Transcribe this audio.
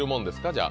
じゃあ。